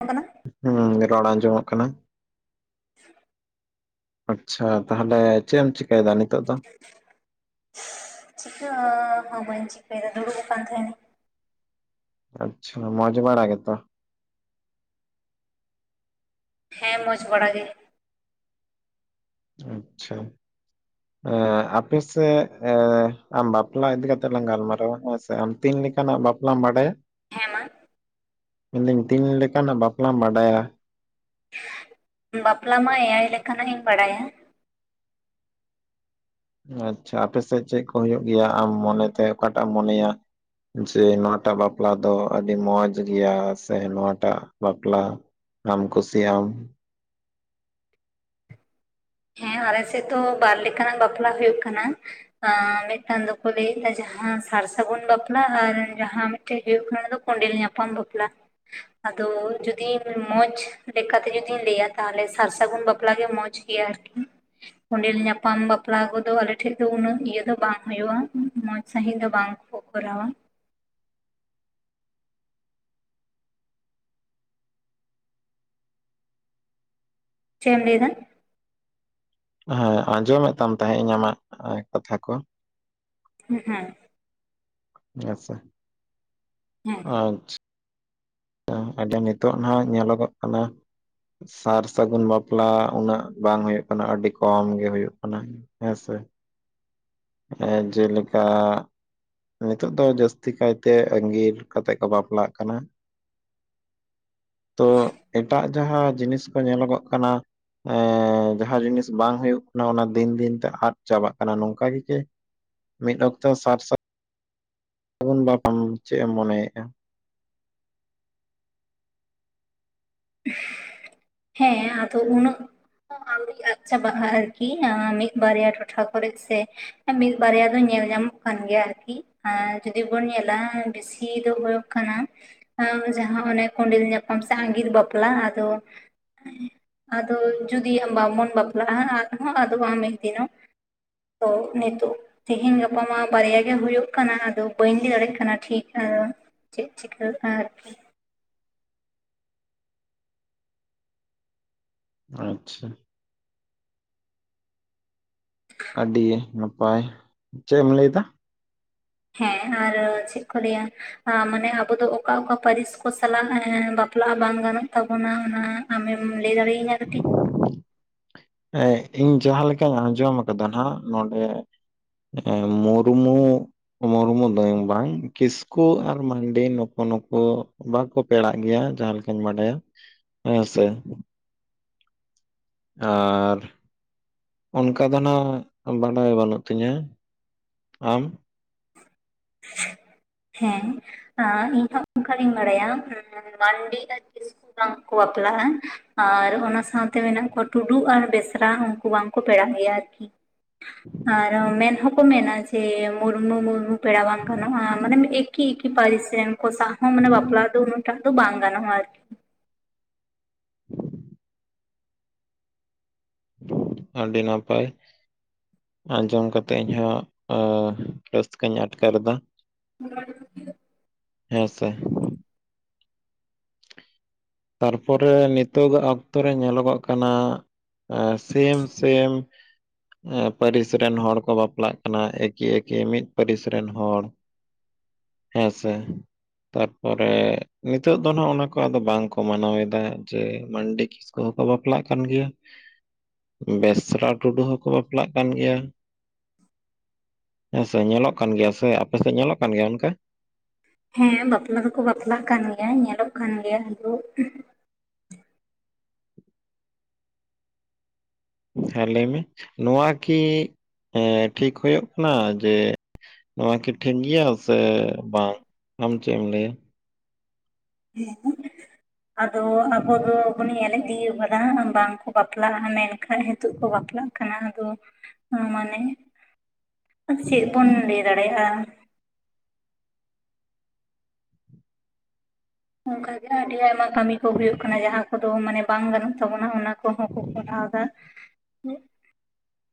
[unintelligible] ᱠᱟᱱᱟ ᱦᱩᱸ ᱨᱚᱲ ᱟᱸᱡᱚᱢᱚᱜ ᱠᱟᱱᱟ [inaudible] ᱟᱪᱪᱷᱟ ᱛᱟᱦᱚᱞᱮ ᱪᱮᱫ ᱮᱢ ᱪᱤᱠᱟᱹᱭᱮᱫᱻᱟ ᱱᱤᱛᱚᱜ ᱫᱚ ᱪᱤᱠᱟᱹ ᱦᱚᱸ ᱵᱟᱹᱧ ᱪᱤᱠᱟᱹ ᱮᱫᱟ ᱫᱩᱲᱩᱵ ᱟᱠᱟᱱ ᱛᱟᱦᱮᱸᱱᱟᱹᱧ ᱟᱪᱪᱷᱟ ᱢᱚᱡ ᱵᱟᱲᱟ ᱜᱮᱛᱚ ᱦᱮᱸ ᱢᱚᱸᱡᱽ ᱵᱟᱲᱟ ᱜᱮ ᱟᱪᱪᱷᱟ ᱟᱯᱮ ᱥᱮ ᱮᱸ ᱟᱢ ᱵᱟᱯᱞᱟ ᱤᱫᱤ ᱠᱟᱛᱮᱜ ᱞᱟᱝ ᱜᱟᱞᱢᱟᱨᱟᱣᱟ ᱦᱮᱸᱥᱮ ᱟᱢ ᱛᱤᱱ ᱞᱮᱠᱟᱱᱟᱜ ᱵᱟᱯᱞᱟᱢ ᱵᱟᱰᱟᱭᱟ ᱦᱮᱸ ᱢᱟ ᱢᱮᱱᱮᱫ ᱟᱹᱧ ᱛᱤᱱ ᱞᱮᱠᱟᱱᱟᱜ ᱵᱟᱯᱞᱟᱢ ᱵᱟᱰᱟᱭᱟ ᱵᱟᱯᱞᱟ ᱢᱟ ᱮᱭᱟᱭ ᱞᱮᱠᱟᱱᱟᱜ ᱤᱧ ᱵᱟᱰᱟᱭᱟ ᱟᱪᱪᱷᱟ ᱟᱯᱮᱥᱮᱫ ᱪᱮᱫ ᱠᱚ ᱦᱩᱭᱩᱜ ᱜᱮᱭᱟ ᱟᱢ ᱢᱚᱱᱮ ᱛᱮ ᱚᱠᱟ ᱴᱟᱜ ᱮᱢ ᱢᱚᱱᱮᱭᱟ ᱡᱮ ᱱᱚᱣᱟ ᱴᱟᱜ ᱵᱟᱯᱞᱟ ᱫᱚ ᱟᱹᱰᱤ ᱢᱚᱸᱡᱽ ᱜᱮᱭᱟ ᱥᱮ ᱱᱚᱣᱟ ᱴᱟᱜ ᱵᱟᱯᱞᱟ ᱟᱢ ᱠᱩᱥᱤ ᱟᱢ ᱦᱮᱸ ᱟᱞᱮ ᱥᱮᱫ ᱫᱚ ᱵᱟᱨ ᱞᱮᱠᱟᱱᱟᱜ ᱵᱟᱯᱞᱟ ᱦᱩᱭᱩᱜ ᱠᱟᱱᱟ ᱟᱸᱻ ᱢᱤᱫᱴᱟᱝ ᱫᱚᱠᱚ ᱞᱟᱹᱭᱮᱫ ᱟ ᱡᱟᱦᱟᱸ ᱥᱟᱨ ᱥᱟᱹᱜᱩᱱ ᱵᱟᱯᱞᱟ ᱟᱨ ᱡᱟᱦᱟᱸ [unintelligible] [unintelligible] ᱦᱩᱭᱩᱜ ᱠᱷᱟᱱᱟ ᱫᱚ ᱠᱚᱸᱰᱮᱞ ᱧᱟᱯᱟᱢ ᱵᱟᱯᱞᱟ ᱟᱫᱚ ᱡᱩᱫᱤ ᱢᱚᱸᱡᱽ ᱞᱮᱠᱟᱛᱮ ᱡᱩᱫᱤᱧ ᱞᱟᱹᱭᱟ ᱛᱟᱦᱞᱮ ᱥᱟᱨ ᱥᱟᱹᱜᱩᱱ ᱵᱟᱯᱞᱟ ᱜᱮ ᱢᱚᱸᱡᱽ ᱜᱮᱭᱟ ᱟᱨᱠᱤ ᱠᱚᱸᱰᱮᱞ ᱧᱟᱯᱟᱢ ᱵᱟᱯᱞᱟ ᱠᱚᱫᱚ ᱟᱞᱮ ᱴᱷᱮᱡ ᱫᱚ ᱩᱱᱟᱹᱜ ᱤᱭᱟᱹ ᱫᱚ ᱵᱟᱝ ᱦᱩᱭᱩᱼᱟ ᱢᱚᱸᱡᱽ ᱥᱟᱺᱦᱤᱡ ᱫᱚ ᱵᱟᱝ [unintelligible] ᱠᱚᱠᱨᱟᱣ ᱪᱮᱜ ᱮᱢ ᱞᱟᱹᱭ ᱮᱫᱟ [unintelligible] ᱦᱮᱸ ᱟᱸᱡᱚᱢᱮᱫ ᱛᱟᱢ ᱛᱟᱦᱮᱸ ᱤᱧ ᱟᱢᱟᱜ ᱠᱟᱛᱷᱟ ᱠᱚ [unintelligible] [unintelligible] ᱟᱪᱷᱟ ᱦᱮᱸ ᱟᱪᱷᱟ [unintelligible] ᱮᱸ ᱱᱤᱛᱚᱜ ᱱᱟᱦᱟᱜ ᱧᱮᱞᱚᱜᱚᱜ ᱠᱟᱱᱟ ᱥᱟᱨ ᱥᱟᱹᱜᱩᱱ ᱵᱟᱯᱞᱟ ᱩᱱᱟᱹᱜ ᱵᱟᱝ ᱦᱩᱭᱩᱜ ᱠᱟᱱᱟ ᱟᱹᱰᱤ ᱠᱚᱢ ᱜᱮ ᱦᱩᱭᱩᱜ ᱠᱟᱱᱟ ᱦᱮᱸ ᱥᱮ᱾ ᱮᱸ ᱡᱮᱞᱮᱠᱟ ᱱᱤᱛᱚᱜ ᱫᱚ ᱡᱟᱹᱥᱛᱤ ᱠᱟᱭ ᱛᱮ ᱟᱜᱤᱨ ᱠᱟᱛᱮᱜ ᱠᱚ ᱵᱟᱯᱞᱟᱜ ᱠᱟᱱᱟ᱾ ᱛᱚ ᱮᱴᱟᱜ ᱡᱟᱦᱟᱸ ᱡᱤᱱᱤᱥ ᱠᱚ ᱧᱮᱞᱚᱜᱚᱜ [unintelligible] ᱮᱸ ᱡᱟᱦᱟᱸ ᱡᱤᱱᱤᱥ ᱵᱟᱝ ᱦᱩᱭᱩᱜ ᱠᱟᱱᱟ ᱚᱱᱟ ᱫᱤᱱ ᱫᱤᱱ ᱛᱮ ᱟᱫ ᱪᱟᱵᱟᱜ ᱠᱟᱱᱟ ᱱᱚᱝᱠᱟ ᱜᱮ [unintelligible] [unintelligible] ᱢᱤᱫ ᱚᱠᱛᱚ ᱥᱟᱨ ᱥᱟ [unintelligible] ᱥᱟᱹᱜᱩᱱ ᱵᱟ ᱠᱷᱚᱱ ᱪᱮᱫ ᱮᱢ ᱢᱚᱱᱮᱭᱮᱜᱼᱟ ᱦᱮᱸ ᱟᱫᱚ ᱩᱱᱟᱹᱜ [unintelligible] ᱟᱪᱪᱟ ᱵᱟ [unintelligible] ᱟᱨᱠᱤ ᱢᱤᱫ ᱵᱟᱨᱭᱟ ᱴᱚᱴᱷᱟ ᱠᱚᱨᱮ ᱥᱮ ᱢᱤᱫ ᱵᱟᱨᱭᱟ ᱫᱚ ᱧᱮᱞ ᱧᱟᱢᱚᱜ ᱠᱟᱱ ᱜᱮᱭᱟ ᱟᱨᱠᱤ ᱡᱩᱫᱤ ᱵᱚᱱ ᱧᱮᱞᱟ ᱛᱷᱤ ᱫᱚ ᱦᱩᱭᱩᱜ ᱠᱟᱱᱟ ᱡᱟᱦᱟᱸ ᱚᱱᱮ ᱠᱚᱸᱰᱮᱞ ᱧᱟᱯᱟᱢ ᱥᱮ ᱟᱸᱜᱤᱨ ᱵᱟᱯᱞᱟ [unintelligible] ᱟᱫᱚ ᱟᱫᱚ ᱡᱩᱫᱤ ᱟᱸ ᱵᱟᱝᱵᱚᱱ ᱵᱟᱯᱞᱟᱜᱼᱟ ᱟᱨᱦᱚᱸ ᱟᱫᱚᱜ ᱟ ᱫᱤᱱᱚᱜ ᱛᱚ ᱱᱤᱛᱚᱜ ᱛᱮᱦᱮᱧ ᱜᱟᱯᱟ ᱢᱟ ᱵᱟᱨᱮᱭᱟ ᱜᱮ ᱦᱩᱭᱩᱜ ᱠᱟᱱᱟ ᱟᱫᱚ ᱵᱟᱹᱧ ᱞᱟᱹᱭ ᱫᱟᱲᱮᱭᱟᱜ ᱠᱟᱱᱟ, ᱴᱷᱤᱠ ᱟ ᱪᱮᱫ ᱪᱤᱠᱟᱹᱜᱼᱟ ᱟᱨᱠᱤ ᱟᱪᱪᱷᱟ ᱟᱹᱰᱤ ᱱᱟᱯᱟᱭ᱾ᱪᱮᱫ ᱮᱢ ᱞᱟᱹᱭ ᱫᱟ? ᱦᱮᱸ ᱟᱨ ᱪᱮᱫ ᱠᱚ ᱞᱟᱹᱭᱟ ᱢᱟᱱᱮ ᱟᱵᱚ ᱫᱚ ᱚᱠᱟ ᱚᱠᱟ ᱯᱟᱹᱨᱤᱥ ᱠᱚ ᱥᱟᱞᱟᱜ ᱵᱟᱯᱞᱟᱜ ᱵᱟᱝ ᱜᱟᱱᱚᱜ ᱛᱟᱵᱚᱱᱟ ᱚᱱᱟ ᱟᱢᱮᱢ ᱞᱟᱹᱭ ᱫᱟᱲᱭᱤᱧᱟᱹ ᱠᱟᱹᱴᱤᱡ ᱮᱸᱜ ᱤᱧ ᱡᱟᱦᱟᱸ ᱞᱮᱠᱟᱧ ᱟᱸᱡᱚᱢ ᱠᱟᱫᱟ ᱦᱟᱸᱜ ᱱᱚᱰᱮ ᱚ ᱢᱩᱨᱢᱩ ᱢᱩᱨᱢᱩ ᱫᱚᱭᱚᱝ ᱵᱟᱝ ᱠᱤᱥᱠᱩ ᱟᱨ ᱢᱟᱱᱰᱤ ᱱᱩᱠᱩ ᱱᱩᱠᱩ ᱵᱟᱠᱚ ᱯᱮᱲᱟᱜ ᱜᱮᱭᱟ ᱡᱟᱦᱟᱸ ᱞᱮᱠᱟᱧ ᱵᱟᱰᱟᱭᱟ ᱦᱮᱸ ᱥᱮ ᱟᱨᱻ ᱚᱱᱠᱟ ᱫᱚ ᱦᱟᱸᱜ ᱵᱟᱰᱟᱭ ᱵᱟᱹᱱᱩᱜ ᱛᱤᱧᱟ᱾ ᱟᱢ? ᱦᱮᱸ ᱤᱧ ᱦᱚᱸ ᱚᱱᱠᱟ ᱜᱤᱧ ᱵᱟᱲᱟᱭᱟ ᱢᱟᱱᱰᱤ ᱟᱨ ᱠᱤᱥᱠᱩ ᱵᱟᱝ ᱠᱚ ᱵᱟᱯᱞᱟᱜᱼᱟ ᱦᱮᱸ ᱟᱨ ᱚᱱᱟ ᱥᱟᱶᱛᱮ ᱢᱮᱱᱟᱜ ᱠᱚᱣᱟ ᱴᱩᱰᱩ ᱟᱨ ᱵᱮᱥᱨᱟ ᱩᱱᱠᱩ ᱵᱟᱝᱠᱚ ᱯᱮᱲᱟᱜ ᱜᱮᱭᱟ ᱟᱨᱠᱤ᱾ ᱟᱨ ᱢᱮᱱ ᱦᱚᱸᱠᱚ ᱢᱮᱱᱟ ᱡᱮ ᱢᱩᱨᱢᱩ ᱢᱩᱨᱢᱩ ᱯᱮᱲᱟ ᱵᱟᱝ ᱜᱟᱱᱚᱜ-ᱟ ᱢᱟᱱᱮ ᱮᱠᱤ ᱮᱠᱤ ᱯᱟᱹᱨᱤᱥ ᱨᱮᱱ ᱠᱚ ᱥᱟᱣ ᱦᱚᱸ ᱢᱟᱱᱮ ᱵᱟᱯᱞᱟ ᱫᱚ ᱩᱱᱟᱹᱜ ᱴᱟᱜ ᱫᱚ ᱵᱟᱝ ᱜᱟᱱᱚᱜ-ᱟ ᱟᱨᱠᱤ᱾ ᱟᱹᱰᱤ ᱱᱟᱯᱟᱭ᱾ ᱟᱸᱡᱚᱢ ᱠᱟᱛᱮᱜ ᱤᱧ ᱦᱚᱸ ᱚᱸ ᱨᱟᱹᱥᱠᱟᱹᱧ ᱟᱴᱠᱟᱨ ᱫᱟ᱾ [inaudible] ᱦᱮᱸ ᱥᱮ᱾ ᱛᱟᱨ ᱯᱚᱨᱮ ᱱᱤᱛᱚᱜ ᱟᱜ ᱚᱠᱛᱚ ᱨᱮ ᱧᱮᱞᱚᱜᱚᱜ ᱠᱟᱱᱟ ᱥᱮᱢ ᱥᱮᱢ ᱮᱸ ᱯᱟᱹᱨᱤᱥ ᱨᱮᱱ ᱦᱚᱲ ᱠᱚ ᱵᱟᱯᱞᱟᱜ ᱠᱟᱱᱟ ᱮᱠᱤ ᱮᱠᱤ ᱢᱤᱫ ᱯᱟᱹᱨᱤᱥ ᱨᱮᱱ ᱦᱚᱲ᱾ ᱦᱮᱸ ᱥᱮ ᱛᱟᱨᱯᱚᱨᱮ ᱱᱤᱛᱚᱜ ᱫᱚ ᱱᱚᱜ ᱱᱟ ᱠᱚ ᱟᱫᱚ ᱵᱟᱝ ᱠᱚ ᱠᱚ ᱢᱟᱱᱟᱣ ᱮᱫᱟ ᱡᱮ ᱢᱟᱱᱰᱤ ᱠᱤᱥᱠᱩ ᱦᱚᱸᱠᱚ ᱵᱟᱯᱞᱟᱜ ᱠᱟᱱ ᱜᱮᱭᱟ᱾ ᱵᱮᱥᱨᱟ ᱴᱩᱰᱩ ᱦᱚᱸᱠᱚ ᱵᱟᱯᱞᱟᱜ ᱠᱟᱱ ᱜᱮᱭᱟ᱾ ᱦᱮᱸ ᱥᱮ ᱧᱮᱞᱚᱜ ᱠᱟᱱ ᱜᱮᱭᱟ ᱥᱮ, ᱟᱯᱮ ᱥᱮᱫ ᱧᱮᱞᱚᱜ ᱠᱟᱱ ᱜᱮᱭᱟ ᱚᱱᱠᱟ? ᱦᱮᱸ ᱵᱟᱯᱞᱟ ᱫᱚᱠᱚ ᱵᱟᱯᱞᱟᱜ ᱠᱟᱱ ᱜᱮᱭᱟ ᱧᱮᱞᱚᱜ ᱠᱟᱱ ᱜᱮᱭᱟ [inaudible] ᱦᱮᱸ ᱞᱟᱹᱭ ᱢᱮ, ᱱᱚᱣᱟ ᱠᱤ ᱴᱷᱤᱠ ᱦᱩᱭᱩᱜ ᱠᱟᱱᱟ? ᱡᱮ ᱱᱚᱣᱟ ᱠᱤ ᱴᱷᱤᱠ ᱜᱮᱭᱟ ᱥᱮ ᱵᱟᱝ ᱟᱢ ᱪᱮᱫ ᱮᱢ ᱞᱮᱭᱟ? ᱦᱮᱸ ᱟᱫᱚ ᱟᱵᱚ ᱫᱚ [inaudible] ᱮᱱᱮᱡ ᱫᱤᱭᱮ [inaudible] ᱮ ᱵᱟᱝ ᱠᱚ ᱵᱟᱯᱞᱟᱜᱼᱟ ᱢᱮᱱ ᱠᱷᱟᱱ ᱦᱤᱛᱚᱜ ᱠᱚ ᱵᱟᱯᱞᱟᱜ ᱠᱟᱱᱟ, ᱟᱫᱚ ᱚ ᱢᱟᱱᱮ ᱪᱮᱫ ᱵᱚᱱ ᱞᱟᱹᱭ ᱫᱟᱲᱮᱭᱟᱜᱼᱟ? ᱚᱱᱠᱟ ᱜᱮ ᱟᱹᱰᱤ ᱟᱭᱢᱟ ᱠᱟᱹᱢᱤ ᱠᱚ ᱦᱩᱭᱩᱜ ᱠᱟᱱᱟ, ᱡᱟᱦᱟᱸ ᱠᱚᱫᱚ ᱢᱟᱱᱮ ᱵᱟᱝ ᱜᱟᱱᱚᱜ ᱛᱟᱵᱚᱱᱟ ᱚᱱᱟ᱾ ᱠᱚᱦᱚᱸ ᱠᱚ ᱠᱚᱨᱟᱣ ᱫᱟ᱾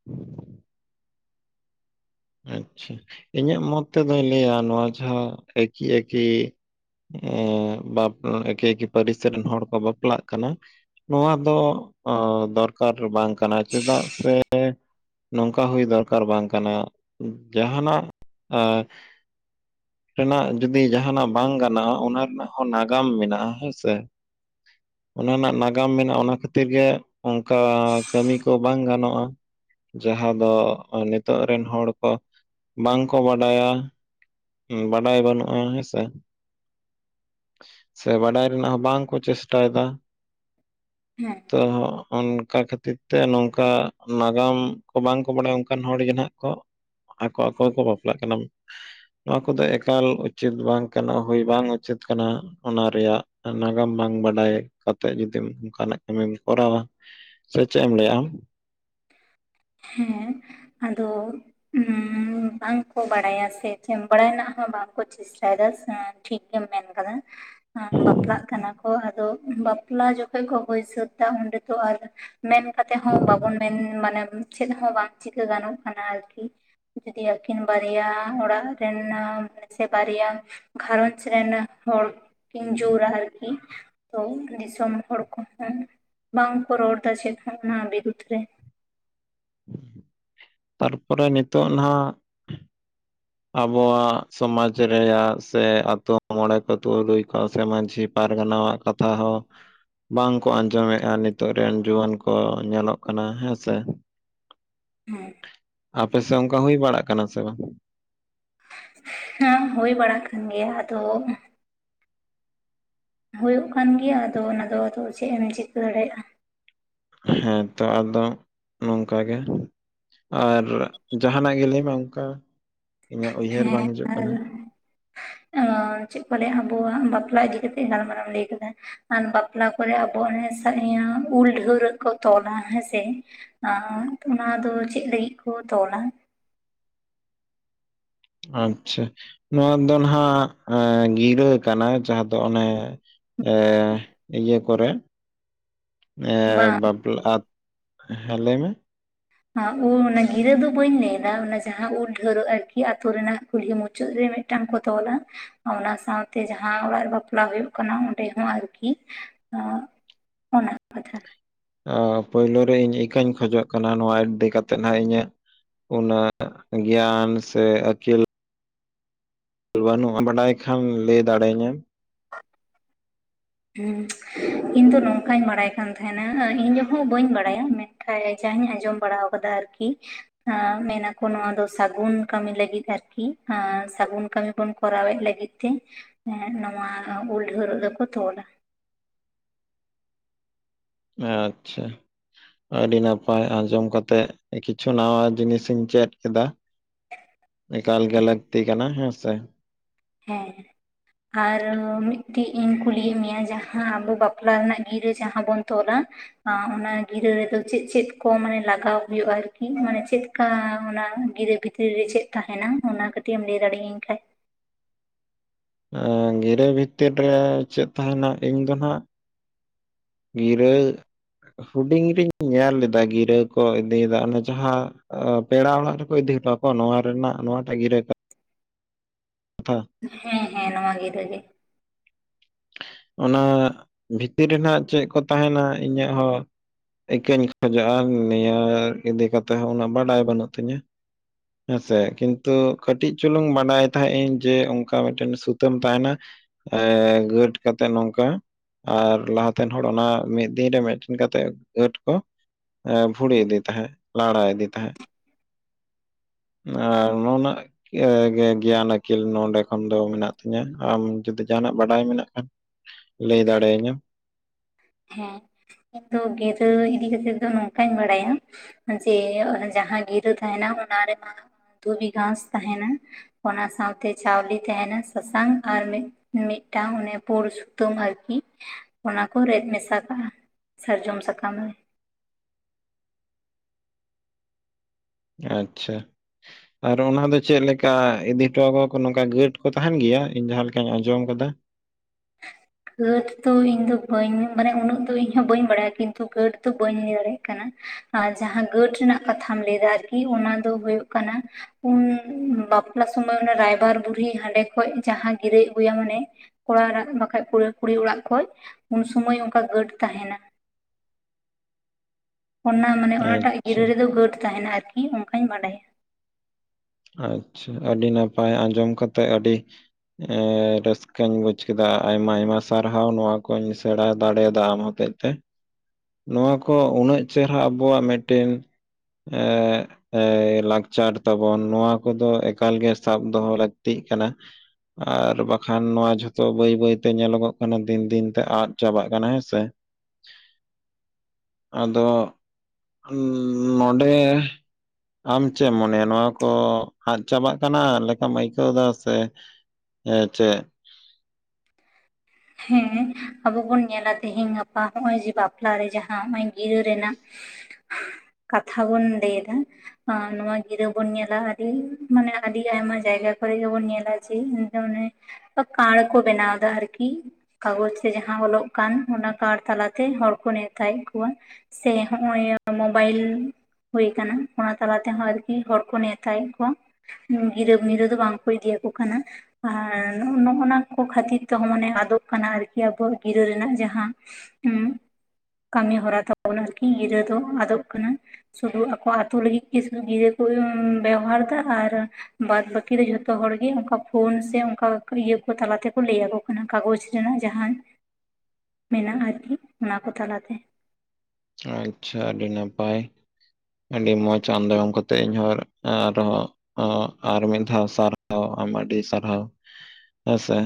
[inaudible] ᱟᱪᱪᱷᱟ ᱤᱧᱟᱹᱜ ᱢᱚᱛ ᱛᱮᱫᱚᱭ ᱞᱟᱹᱭᱟ ᱱᱚᱣᱟ ᱡᱟᱦᱟᱸ ᱮᱠᱤ ᱮᱠᱤ ᱮᱸ ᱵᱟᱯ ᱮᱠᱮ ᱮᱠᱮ ᱯᱟᱹᱨᱤᱥ ᱨᱮᱱ ᱦᱚᱲ ᱠᱚ ᱵᱟᱯᱞᱟᱜ ᱠᱟᱱᱟ᱾ ᱱᱚᱣᱟ ᱫᱚ ᱫᱚᱨᱠᱟᱨ ᱵᱟᱝ ᱠᱟᱱᱟ ᱪᱮᱫᱟᱜ ᱥᱮ ᱱᱚᱝᱠᱟ ᱦᱩᱭ ᱫᱚᱨᱠᱟᱨ ᱵᱟᱝ ᱠᱟᱱᱟ, ᱡᱟᱸᱦᱟᱱᱟᱜ ᱮᱸ ᱨᱮᱱᱟᱜ ᱡᱩᱫᱤ ᱡᱟᱸᱦᱟᱱᱟᱜ ᱵᱟᱝ ᱜᱟᱱᱚᱜ-ᱟ ᱚᱱᱟ ᱨᱮᱱᱟᱜ ᱦᱚᱸ ᱱᱟᱜᱟᱢ ᱢᱮᱱᱟᱜ-ᱟ ᱦᱮᱸ ᱥᱮ᱾ ᱚᱱᱟ ᱨᱮᱱᱟᱜ ᱱᱟᱜᱟᱢ ᱢᱮᱱᱟᱜᱼᱟ, ᱚᱱᱟ ᱠᱷᱟᱹᱛᱤᱨ ᱜᱮ ᱚᱱᱠᱟ ᱠᱟᱹᱢᱤ ᱠᱚ ᱵᱟᱝ ᱜᱟᱱᱚᱜ-ᱟ, ᱡᱟᱦᱟᱸ ᱫᱚ ᱱᱤᱛᱚᱜ ᱨᱮᱱ ᱦᱚᱲ ᱦᱚ ᱵᱟᱝᱠᱚ ᱵᱟᱰᱟᱭᱟ ᱦᱩ ᱵᱟᱰᱟᱭ ᱵᱟᱹᱱᱩᱜᱼᱟ ᱦᱮᱸᱥᱮ ᱥᱮ ᱵᱟᱰᱟᱭ ᱨᱮᱱᱟᱜ ᱦᱚᱸ ᱵᱟᱝᱠᱚ ᱪᱮᱥᱴᱟᱭᱮᱫᱟ ᱦᱩ ᱛᱚ ᱚᱱᱠᱟ ᱠᱷᱟᱹᱛᱤᱨ ᱛᱮ ᱱᱚᱝᱠᱟ ᱱᱟᱜᱟᱢ ᱠᱚ ᱵᱟᱝ ᱠᱚ ᱵᱟᱲᱟᱭᱟ ᱚᱱᱠᱟᱱ ᱦᱚᱲ ᱜᱮ ᱱᱟᱦᱟᱸᱜ ᱠᱚ ᱟᱠᱚ ᱟᱠᱚ ᱜᱮᱠᱚ ᱵᱟᱯᱞᱟᱜ ᱠᱟᱱᱟ ᱱᱚᱣᱟ ᱠᱚᱫᱚ ᱮᱠᱟᱞ ᱩᱪᱤᱛ ᱵᱟᱝ ᱠᱟᱱᱟ ᱦᱳᱭ ᱵᱟᱝ ᱩᱪᱤᱛ ᱠᱟᱱᱟ ᱚᱱᱟ ᱨᱮᱭᱟᱜ ᱱᱟᱜᱟᱢ ᱵᱟᱝ ᱵᱟᱰᱟᱭ ᱠᱟᱛᱮᱜ ᱡᱩᱫᱤᱢ ᱚᱱᱠᱟᱱᱟᱜ ᱠᱟᱹᱢᱤᱢ ᱠᱚᱨᱟᱣᱼᱟ ᱥᱮ ᱪᱮᱫ ᱮᱢ ᱞᱟᱹᱭᱟ ᱟᱢ ᱦᱩᱸ ᱟᱫᱚ ᱩᱸ ᱵᱟᱝᱠᱚ ᱵᱟᱲᱟᱭᱟ ᱥᱮ ᱪᱮᱫ ᱵᱟᱲᱟᱭ ᱨᱮᱱᱟᱜ ᱦᱚᱸ ᱵᱟᱝᱠᱚ ᱪᱮ [unintelligible] ᱴᱷᱤᱠ ᱜᱮᱢ ᱢᱮᱱ ᱠᱟᱫᱟ ᱵᱟᱯᱞᱟᱜ ᱠᱟᱱᱟ ᱠᱚ ᱟᱫᱚ ᱵᱟᱯᱞᱟ ᱡᱚᱠᱷᱚᱱ ᱠᱚ ᱦᱩᱭᱥᱟᱹᱛ ᱮᱫᱟ ᱚᱸᱰᱮ ᱫᱚ ᱟᱨ ᱢᱮᱱ ᱠᱟᱛᱮᱫ ᱦᱚᱸ ᱵᱟᱵᱚᱱ ᱢᱮᱱ ᱢᱟᱱᱮ ᱪᱮᱫ ᱦᱚᱸ ᱵᱟᱝ ᱪᱤᱠᱟᱹ ᱜᱟᱱᱚᱜ ᱠᱟᱱᱟ ᱟᱨᱠᱤ ᱡᱩᱫᱤ ᱟᱹᱠᱤᱱ ᱵᱟᱨᱭᱟ ᱚᱲᱟᱜ ᱨᱮᱱ ᱥᱮ ᱵᱟᱨᱭᱟ ᱜᱷᱟᱨᱚᱧᱡᱽ ᱨᱮᱱ ᱦᱚᱲ ᱠᱤᱱ ᱡᱳᱟ ᱟᱨᱠᱤ ᱛᱚ ᱫᱤᱥᱚᱢ ᱦᱚᱲ ᱠᱚᱦᱚᱸ ᱵᱟᱝ ᱠᱚ ᱨᱚᱲ ᱮᱫᱟ ᱪᱮᱫ ᱦᱚᱸ ᱚᱱᱟ ᱵᱤᱨᱩᱫᱽ ᱨᱮ ᱛᱟᱨᱯᱚᱨᱮ ᱱᱤᱛᱳᱜ ᱱᱟᱜ ᱟᱵᱚᱣᱟᱜ ᱥᱚᱢᱟᱡᱽ ᱨᱮᱭᱟᱜ ᱥᱮ ᱟᱛᱳ ᱢᱚᱬᱮ ᱠᱚ ᱛᱩᱞᱩᱭ ᱠᱚ ᱥᱮ ᱢᱟᱺᱡᱷᱤ ᱯᱟᱨᱜᱟᱱᱟ ᱭᱟᱜ ᱠᱟᱛᱷᱟ ᱦᱚᱸ ᱵᱟᱝᱠᱚ ᱟᱸᱡᱚᱢᱮᱫᱼᱟ ᱱᱤᱛᱚᱜ ᱨᱮᱱ ᱡᱩᱣᱟᱹᱱ ᱠᱚ ᱧᱮᱞᱚᱜ ᱠᱟᱱᱟ ᱦᱮᱸᱥᱮ [inaudible] ᱟᱯᱮᱥᱮᱜ ᱚᱱᱠᱟ ᱦᱳᱭ ᱵᱟᱲᱟᱜ ᱠᱟᱱᱟ ᱥᱮ ᱵᱟᱝ ᱦᱮᱸ ᱦᱳᱭ ᱵᱟᱲᱟ ᱟᱠᱟᱱ ᱜᱮᱭᱟ ᱟᱫᱚ ᱦᱳᱭᱳᱜ ᱠᱟᱱ ᱜᱮᱭᱟ ᱟᱫᱚ ᱚᱱᱟ ᱫᱚ ᱟᱫᱚ ᱪᱮᱫ ᱮᱢ ᱪᱤᱠᱟᱹ ᱫᱟᱲᱮᱭᱟᱜᱼᱟ ᱦᱮᱸᱛᱚ ᱟᱫᱚ ᱱᱚᱝᱠᱟ ᱜᱮ ᱟᱨ ᱡᱟᱦᱟᱱᱟᱜ ᱜᱮ ᱞᱟᱹᱭ ᱢᱮ ᱚᱱᱠᱟ ᱤᱧᱟᱹᱜ ᱩᱭᱦᱟᱹᱨ ᱦᱮᱸ ᱵᱟᱝ ᱦᱤᱡᱩᱜ ᱠᱟᱱᱟ ᱪᱮᱫ ᱠᱚ ᱞᱟᱹᱭᱟ ᱟᱵᱚᱣᱟᱜ ᱵᱟᱯᱞᱟ ᱤᱫᱤ ᱠᱟᱛᱮᱜ ᱜᱟᱞᱢᱟᱨᱟᱣ ᱮᱢ ᱞᱟᱹᱭ ᱠᱟᱫᱟ ᱟᱨ ᱵᱟᱯᱞᱟ ᱠᱚᱨᱮ ᱟᱵᱚ ᱚᱱᱟ ᱩᱞ ᱰᱷᱟᱹᱣᱨᱟᱹᱜ ᱠᱚ ᱛᱚᱞᱟ ᱦᱮᱸᱥᱮ ᱟᱸ ᱚᱱᱟ ᱫᱚ ᱪᱮᱫ ᱞᱟᱜᱤᱫ ᱠᱚ ᱛᱚᱞᱟ ᱟᱪᱪᱷᱟ ᱱᱚᱣᱟ ᱫᱚ ᱱᱟᱜ ᱜᱤᱨᱟᱹ ᱠᱟᱱᱟ ᱡᱟᱦᱟᱸ ᱫᱚ ᱚᱱᱮ ᱮ ᱤᱭᱟᱹ ᱠᱚᱨᱮ ᱮ ᱵᱟᱝ ᱵᱟᱯᱞᱟ ᱦᱮᱸ ᱞᱟᱹᱭᱢᱮ ᱩ ᱚᱱᱟ ᱜᱤᱨᱟᱹ ᱫᱚ ᱵᱟᱹᱧ ᱞᱟᱹᱭᱫᱟ ᱚᱱᱟ ᱡᱟᱦᱟᱸ ᱩᱞ ᱰᱷᱟᱹᱶᱨᱟᱹᱜ ᱟᱨᱠᱤ ᱟᱛᱳ ᱨᱮᱱᱟᱜ ᱠᱩᱞᱦᱤ ᱢᱩᱪᱟᱹᱫ ᱨᱮ ᱢᱤᱫᱴᱟᱝ ᱠᱚ ᱛᱚᱞᱟ ᱚᱱᱟ ᱥᱟᱶᱛᱮ ᱡᱟᱦᱟᱸ ᱚᱲᱟᱜ ᱨᱮ ᱵᱟᱯᱞᱟ ᱦᱳᱭᱳᱜ ᱠᱟᱱᱟ ᱚᱸᱰᱮ ᱦᱚᱸ ᱟᱨᱠᱤ ᱚ ᱟᱱᱟ [inaudible] ᱯᱳᱭᱞᱳ ᱨᱮ ᱤᱧ ᱤᱠᱟᱹᱧ ᱠᱷᱚᱡᱚᱜ ᱠᱟᱱᱟ ᱱᱚᱶᱟ ᱤᱫᱤ ᱠᱟᱛᱮᱫ ᱦᱟᱸᱜ ᱤᱧᱟᱹᱜ ᱚᱱᱟ ᱜᱮᱭᱟᱱ ᱥᱮ ᱟᱹᱠᱤᱞ ᱵᱟᱱᱩᱜᱼᱟ ᱵᱟᱰᱟᱭ ᱠᱷᱟᱱ ᱞᱟᱹᱭ ᱫᱟᱲᱮ ᱟᱹᱧᱮᱢ ᱤᱧ ᱫᱚ ᱱᱚᱝᱠᱟᱧ ᱵᱟᱲᱟᱭ ᱠᱟᱱ ᱛᱟᱦᱮᱱᱟ ᱤᱧ ᱡᱟᱦᱟᱸ ᱵᱟᱹᱧ ᱵᱟᱲᱟᱭᱟ ᱢᱮᱱ [unintelligible] ᱟᱸᱡᱚᱢ ᱵᱟᱲᱟᱣ ᱠᱟᱫᱟ ᱟᱨᱠᱤ ᱮᱸᱻ ᱢᱮᱱᱟᱠᱚ ᱱᱚᱣᱟ ᱫᱚ ᱥᱟᱹᱜᱩᱱ ᱠᱟᱹᱢᱤ ᱞᱟᱹᱜᱤᱫ ᱟᱨᱠᱤ, ᱟᱹᱥᱟᱹᱜᱩᱱ ᱠᱟᱹᱢᱤᱤ ᱵᱚᱱ ᱠᱚᱨᱟᱣᱮᱫ ᱞᱟᱜᱤᱫ ᱛᱮ ᱱᱚᱣᱟ ᱩᱞ ᱰᱷᱟᱹᱶᱨᱟᱹᱜ ᱫᱚᱠᱚ ᱛᱚᱞᱼᱟ ᱟᱪᱪᱷᱟ ᱟᱹᱰᱤ ᱱᱟᱯᱟᱭ ᱟᱸᱡᱚᱢ ᱠᱟᱛᱮᱜ ᱠᱤᱪᱷᱩ ᱱᱟᱣᱟ ᱡᱤᱱᱤᱥ ᱤᱧ ᱪᱮᱫ ᱠᱮᱫᱟ ᱮᱠᱟᱞ ᱜᱮ ᱞᱟᱹᱠᱛᱤ ᱠᱟᱱᱟ ᱦᱮᱸ ᱥᱮ ᱦᱮᱸ ᱟᱨ ᱢᱤᱫᱴᱤᱡ ᱤᱧ ᱠᱩᱞᱤᱭᱮᱜ ᱢᱮᱭᱟ ᱡᱟᱦᱟᱸ ᱟᱵᱚ ᱵᱟᱯᱞᱟ ᱨᱮᱱᱟᱜ ᱜᱤᱨᱟᱹ ᱡᱟᱦᱟᱸ ᱵᱚᱱ ᱛᱚᱞᱟ ᱚᱱᱟ ᱜᱤᱨᱟᱹ ᱨᱮᱫᱚ ᱪᱮᱫ ᱪᱮᱫ ᱠᱚ ᱢᱟᱱᱮ ᱞᱟᱜᱟᱣ ᱦᱳᱭᱳᱜᱼᱟ ᱟᱨᱠᱤ ᱢᱟᱱᱮ ᱪᱮᱫ ᱚᱱᱠᱟ ᱚᱱᱟ ᱜᱤᱫᱽᱨᱟᱹ ᱵᱷᱤᱛᱤᱨ ᱨᱮ ᱪᱮᱫ ᱛᱟᱦᱮᱱᱟ ᱚᱱᱟ ᱠᱟᱹᱴᱤᱡ ᱮᱢ ᱞᱟᱹᱭ ᱫᱟᱲᱮᱭᱟᱹᱧ ᱠᱷᱟᱡ ᱜᱤᱨᱟᱹ ᱵᱷᱤᱛᱤᱨ ᱨᱮ ᱪᱮᱫ ᱛᱟᱦᱮᱱᱟ ᱤᱧ ᱫᱚ ᱱᱟᱜ ᱜᱤᱨᱟᱹ ᱦᱩᱰᱤᱧ ᱨᱤᱧ ᱧᱮᱞ ᱞᱮᱫᱟ ᱜᱤᱨᱟᱹ ᱠᱚ ᱤᱫᱤᱭᱮᱫᱟ ᱚᱱᱮ ᱡᱟᱦᱟᱸ ᱯᱮᱲᱟ ᱚᱲᱟᱜ ᱨᱮᱠᱚ ᱤᱫᱤ ᱦᱚᱴᱣᱟᱠᱚ ᱱᱚᱣᱟ ᱨᱮᱱᱟᱜ ᱱᱚᱣᱟᱴᱟᱜ ᱜᱤᱨᱟᱹ ᱠᱟ ᱠᱟᱛᱷᱟ ᱦᱮᱸ ᱦᱮᱸ ᱱᱚᱣᱟ ᱜᱤᱨᱟᱹ ᱜᱮ ᱚᱱᱟ ᱵᱷᱤᱛᱤᱨ ᱨᱮᱱᱟᱜ ᱪᱮᱫ‌ ᱠᱚ ᱛᱟᱦᱮᱱᱟ ᱤᱧᱟᱹᱜ ᱦᱚᱸ ᱤᱠᱟᱹᱧ ᱠᱷᱚᱡᱚᱜᱼᱟ ᱱᱤᱭᱟᱹ ᱤᱫᱤ ᱠᱟᱛᱮᱮᱫ ᱦᱚᱸ ᱩᱱᱟᱹᱜ ᱵᱟᱰᱟᱭ ᱵᱟᱹᱱᱩᱜ ᱛᱤᱧᱟᱹ ᱦᱮᱸᱥᱮ ᱠᱤᱱᱛᱩ ᱠᱟᱹᱴᱤᱡ ᱪᱩᱞᱩᱝ ᱵᱟᱰᱟᱭ ᱛᱟᱦᱮᱸᱜ ᱤᱧ ᱡᱮ ᱚᱱᱠᱟ ᱢᱤᱫᱴᱮᱱ ᱥᱩᱛᱟᱹᱢ ᱛᱟᱦᱮᱱᱟ ᱮᱸᱻ ᱜᱟᱺᱴ ᱠᱟᱛᱮ ᱱᱚᱝᱠᱟ ᱟᱨ ᱞᱟᱦᱟᱛᱮᱱ ᱦᱚᱲ ᱚᱱᱟ ᱢᱤᱫ ᱫᱤᱱ ᱨᱮ ᱢᱤᱫᱴᱮᱱ ᱠᱟᱛᱮᱫ ᱜᱟᱺᱴ ᱠᱚ ᱮᱸᱻ ᱵᱷᱩᱲᱤ ᱤᱫᱤ ᱛᱟᱦᱮᱸ, ᱞᱟᱲᱟ ᱤᱫᱤ ᱛᱟᱦᱮᱸ ᱟᱨ ᱱᱚᱣᱟ ᱨᱮᱱᱟᱜ ᱤᱭᱟᱹ ᱜᱮᱭᱟᱱ ᱟᱹᱠᱤᱞ ᱱᱚᱰᱮ ᱠᱷᱚᱱ ᱫᱚ ᱢᱮᱱᱟᱜ ᱛᱤᱧᱟᱹ ᱟᱢ ᱡᱩᱫᱤ ᱡᱟᱦᱱᱟᱜ ᱵᱟᱰᱟᱭ ᱢᱮᱱᱟᱜ ᱛᱟ ᱞᱟᱹᱭ ᱫᱟᱲᱮᱭᱟᱹᱧᱟᱹᱢ ᱦᱮᱸ ᱤᱧ ᱫᱚ ᱜᱤᱨᱟᱹ ᱤᱫᱤ ᱠᱟᱛᱮᱫ ᱫᱚ ᱱᱚᱝᱠᱟᱧ ᱵᱟᱲᱟᱭᱟ ᱡᱮ ᱡᱟᱦᱟᱸ ᱜᱤᱨᱟᱹ ᱛᱟᱦᱮᱱᱟ, ᱚᱱᱟ ᱨᱮᱢᱟ ᱫᱷᱩᱵᱤ ᱜᱷᱟᱸᱥ ᱛᱟᱦᱮᱱᱟ ᱚᱱᱟ ᱥᱟᱶᱛᱮ ᱪᱟᱣᱞᱮ ᱛᱟᱦᱮᱱᱟ, ᱥᱟᱥᱟᱝ ᱟᱨ ᱢᱤᱫ ᱢᱤᱫᱴᱟᱝ ᱚᱱᱮ ᱯᱳᱲ ᱥᱩᱛᱟᱹᱢ ᱟᱨᱠᱤ ᱚᱱᱟ ᱠᱚ ᱨᱮᱫ ᱢᱮᱥᱟ ᱠᱟᱜᱼᱟ, ᱥᱟᱨᱡᱚᱢ ᱥᱟᱠᱟᱢ ᱨᱮ ᱟᱪᱪᱷᱟ ᱟᱨ ᱚᱱᱟ ᱫᱚ ᱪᱮᱫ ᱞᱮᱠᱟ, ᱤᱫᱤ ᱦᱚᱴᱚᱣᱟᱠᱚᱣᱟᱠᱚ ᱱᱚᱝᱠᱟ ᱜᱟᱺᱴ ᱠᱚ ᱛᱟᱦᱮᱱ ᱜᱮᱭᱟ, ᱤᱧ ᱡᱟᱦᱟᱸ ᱞᱮᱠᱟᱧ ᱟᱸᱡᱚᱢ ᱠᱟᱫᱟ ᱜᱟᱺᱴ ᱫᱚ ᱤᱧ ᱫᱚ ᱵᱟᱹᱧ, ᱢᱟᱱᱮ ᱩᱱᱟᱹᱜ ᱫᱚ ᱤᱧᱦ ᱵᱟᱹᱧ ᱵᱟᱲᱟᱭᱟ ᱠᱤᱱᱛᱩ ᱠᱴ ᱫᱚ ᱵᱟᱹᱧ ᱞᱟᱹᱭ ᱫᱟᱲᱮᱭᱟᱜ ᱠᱟᱱᱟ ᱟᱨ ᱡᱟᱦᱟᱸ ᱜᱟᱺᱴ ᱨᱮᱱᱟᱜ ᱠᱟᱛᱷᱟᱢ ᱞᱟᱹᱭᱟ ᱟᱨᱠᱤ ᱚᱱᱟ ᱫᱚ ᱦᱩᱭᱩᱜ ᱠᱟᱱᱟ ᱩᱱ ᱵᱟᱯᱞᱟ ᱥᱩᱚᱢᱚᱭ ᱫᱚ ᱨᱟᱭᱵᱟᱨ ᱵᱩᱲᱦᱤ ᱦᱟᱸᱰᱮ ᱠᱷᱚᱡ ᱡᱟᱦᱟᱸ ᱜᱤᱨᱟᱹᱭ ᱟᱹᱜᱩᱭᱟ ᱢᱟᱱᱮ ᱠᱚᱲᱟ ᱚᱲᱟᱜ ᱵᱟᱠᱷᱟᱡ ᱠᱩᱲᱤ ᱚᱲᱟᱜ ᱠᱷᱚᱱ ᱩᱱᱥᱚᱢᱚᱭ ᱚᱱᱠᱟ ᱜᱟᱹᱴ ᱛᱟᱦᱮᱱᱟ ᱚᱱᱟ ᱢᱟᱱᱮ, ᱚᱱᱟᱴᱟᱜ ᱟᱪᱪᱷᱟ ᱜᱤᱨᱟᱹ ᱨᱮᱫᱚ ᱜᱟᱹᱴ ᱛᱟᱦᱮᱱᱟ ᱟᱨᱠᱤ ᱚᱱᱠᱟᱧ ᱵᱟᱰᱟᱭᱟ ᱟᱪᱪᱷᱟ ᱟᱹᱰᱤ ᱱᱟᱯᱟᱭ ᱟᱸᱡᱚᱢ ᱠᱟᱛᱮᱫ ᱟᱹᱰᱤ ᱮᱸᱻ ᱨᱟᱹᱥᱠᱟᱹᱧ ᱵᱩᱡᱽ ᱠᱮᱫᱟ ᱟᱭᱢᱟ- ᱟᱭᱢᱟ ᱥᱟᱨᱦᱟᱣ, ᱱᱚᱣᱟ ᱠᱩᱧ ᱥᱮᱬᱟ ᱫᱟᱲᱮᱭᱟᱫᱟ ᱟᱢ ᱦᱚᱛᱮᱡ ᱱᱚᱣᱟ ᱠᱚ ᱩᱱᱟᱹᱜ ᱪᱮᱦᱨᱟ, ᱟᱵᱚᱣᱟᱜ ᱢᱤᱫᱴᱤᱱ ᱮᱸᱜ ᱮᱭ ᱞᱟᱠᱪᱟᱨ ᱛᱟᱵᱚ ᱵᱚᱱ ᱱᱚᱣᱟ ᱠᱚᱫᱚ ᱮᱠᱟᱞ ᱜᱮ ᱥᱟᱵ ᱫᱚᱦᱚ ᱞᱟᱹᱠᱛᱤᱜ ᱠᱟᱱᱟ ᱟᱨ ᱵᱟᱠᱷᱟᱱ ᱱᱚᱣᱟ ᱡᱷᱚᱛᱚ, ᱵᱟᱹᱭ ᱵᱟᱹᱭᱛᱮ ᱧᱮᱞᱚᱜᱚᱜ ᱠᱟᱱᱟ ᱫᱤᱱ ᱫᱤᱱ ᱛᱮ ᱟᱫ ᱪᱟᱵᱟᱜ ᱠᱟᱱᱟ ᱦᱮᱸ ᱥᱮ ᱟᱫᱚ ᱱᱚᱸᱰᱮ ᱟᱢ ᱪᱮᱫ ᱮᱢ ᱢᱚᱱᱮᱭᱟ ᱱᱚᱣᱟ ᱠᱚ ᱠᱚ ᱟᱫ ᱪᱟᱵᱟᱜ ᱠᱟᱱᱟ ᱞᱮᱠᱟᱢ ᱟᱹᱭᱠᱟᱹᱣ ᱮᱫᱟ ᱥᱮ ᱪᱮᱫ ᱦᱮᱸ ᱟᱵᱚ ᱵᱚᱱ ᱧᱮᱞᱟ ᱛᱮᱦᱤᱧ ᱜᱟᱯᱟ ᱱᱚᱜᱼᱚᱭ ᱡᱮ ᱵᱟᱯᱞᱟ ᱨᱮ ᱡᱟᱦᱟᱸ ᱱᱚᱜᱼᱚᱭ ᱜᱤᱨᱟᱹ ᱨᱮᱱᱟᱜ [inaudible] ᱠᱟᱛᱷᱟ ᱵᱚᱱ ᱞᱟᱹᱭ ᱮᱫᱟ ᱟᱨ ᱱᱚᱣᱟ ᱜᱤᱨᱟᱹ ᱵᱚᱱ ᱧᱮᱞᱟ ᱟᱹᱰᱤ ᱢᱟᱱᱮ ᱟᱹᱰᱤ ᱟᱭᱢᱟ ᱡᱟᱭᱜᱟ ᱠᱚᱨᱮ ᱜᱮᱵᱚᱱ ᱧᱮᱞᱟ ᱡᱮ ᱠᱟᱬ ᱠᱚ ᱵᱮᱱᱟᱣᱫᱟ ᱟᱨᱠᱤ [unintelligible] ᱠᱟᱜᱚᱡ ᱨᱮ ᱡᱟᱦᱟᱸ ᱚᱞᱚᱜ ᱠᱟᱱ ᱚᱱᱟ ᱠᱟᱬ ᱛᱟᱞᱟᱛᱮ ᱦᱚᱲ ᱠᱚ ᱱᱮᱣᱛᱟᱭᱮᱫ ᱠᱚᱣᱟ ᱥᱮ ᱦᱚᱸᱜᱼᱚᱭ, ᱢᱳᱵᱟᱭᱤᱞ ᱦᱩᱭ ᱠᱟᱱᱟ, ᱚᱱᱟ ᱛᱟᱞᱟ ᱛᱮᱦᱚᱸ ᱟᱨᱠᱤ ᱦᱚᱲ ᱠᱚ ᱱᱮᱣᱛᱟᱭᱮᱫ ᱠᱚᱣᱟ ᱜᱤᱨᱟᱹ-ᱢᱤᱨᱟᱹ ᱫᱚ ᱵᱟᱝ ᱠᱚ ᱤᱫᱤᱭᱟᱠᱚ ᱠᱟᱱᱟ, ᱟᱨ ᱱᱚᱜᱼᱚ ᱱᱚᱣᱟ ᱠᱚ ᱠᱷᱟᱹᱛᱤᱨ ᱛᱮᱦᱚᱸ ᱢᱟᱱᱮ ᱟᱫᱚᱜ ᱠᱟᱱᱟ ᱟᱨᱠᱤ ᱟᱵᱚᱣᱟᱜ ᱜᱤᱨᱟᱹ ᱨᱮᱱᱟᱜ ᱡᱟᱦᱟᱸ ᱩ ᱠᱟᱹᱢᱤ ᱦᱚᱨᱟ ᱛᱟᱵᱚᱱ ᱟᱨᱠᱤ ᱜᱤᱨᱟᱹ ᱫᱚ ᱟᱫᱚᱜ ᱠᱟᱱᱟ ᱥᱩᱫᱩ ᱟᱠᱚᱣᱟᱜ ᱟᱹᱛᱩ ᱞᱟᱹᱜᱤᱫ ᱜᱮ ᱥᱩᱫᱩ ᱜᱤᱨᱟᱹ ᱠᱚ ᱵᱮᱣᱦᱟᱨᱫᱟ ᱟᱨ ᱵᱟᱫ ᱵᱟᱹᱠᱤ ᱫᱚ ᱡᱷᱚᱛᱚ ᱦᱚᱲᱜᱮ ᱚᱝᱠᱟ ᱯᱷᱳᱱ ᱥᱮ ᱚᱝᱠᱟ ᱤᱭᱟᱹ ᱠᱚ ᱛᱟᱞᱟᱛᱮᱠᱚ ᱞᱟᱹᱭᱟᱠᱚ ᱠᱟᱱᱟ᱾ ᱠᱟᱜᱚᱡᱽ ᱨᱮᱱᱟᱜ ᱡᱟᱸᱦᱟᱟᱱ ᱢᱮᱱᱟᱜᱼᱟ, ᱟᱨᱠᱤ ᱚᱱᱟ ᱠᱚ ᱛᱟᱞᱟᱛᱮ ᱟᱪᱷᱟ ᱟᱹᱰᱤ ᱱᱟᱯᱟᱭ ᱟᱹᱰᱤ ᱢᱚᱸᱡᱽ [unintelligible] ᱠᱟᱛᱮᱜ ᱤᱧᱦᱸ ᱟᱨᱦᱚᱸ ᱦᱚᱸ ᱟᱨ ᱢᱤᱫ ᱫᱷᱟᱣ ᱥᱟᱨᱦᱟᱣ ᱟᱢ ᱟᱹᱰᱤ ᱥᱟᱨᱦᱟᱣ ᱦᱮᱸᱥᱮ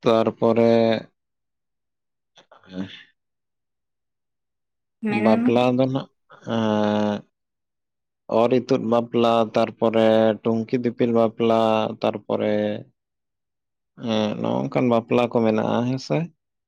ᱛᱟᱨ ᱯᱚᱨᱮ [unintelligible] ᱢᱮᱱ ᱵᱟᱯᱞᱟ ᱫᱚ ᱱᱟᱜ [unintelligible] ᱚᱨ ᱤᱛᱩᱫ ᱵᱟᱯᱞᱟ ᱛᱟᱨ ᱯᱚᱨᱮ ᱴᱩᱝᱠᱤ ᱫᱤᱯᱤᱞ ᱵᱟᱯᱞᱟ ᱛᱟᱨ ᱯᱚᱨᱮ ᱦᱮᱸ ᱱᱚᱝᱠᱟᱱ ᱵᱟᱯᱞᱟ ᱠᱚ ᱢᱮᱱᱟᱜᱼᱟ ᱦᱮᱸᱥᱮ